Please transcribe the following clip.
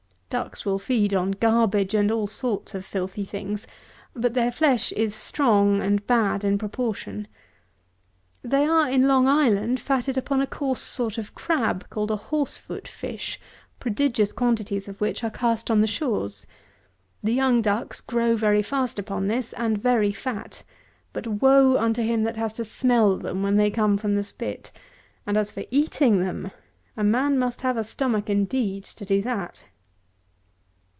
Ducks will feed on garbage and all sorts of filthy things; but their flesh is strong, and bad in proportion. They are, in Long Island, fatted upon a coarse sort of crab, called a horse foot fish, prodigious quantities of which are cast on the shores. The young ducks grow very fast upon this, and very fat; but wo unto him that has to smell them when they come from the spit; and, as for eating them, a man must have a stomach indeed to do that!